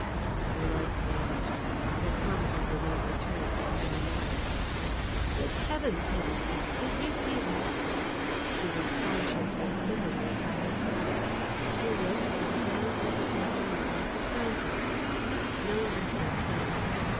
The light vanished; it had probably been overturned and gone out. "Good heavens!" Hetty cried. "Did you see that?" She was conscious that somebody was by her side. She looked and found that her companion was the Countess. No answer came.